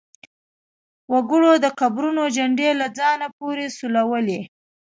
وګړو د قبرونو چنډې له ځان پورې سولولې.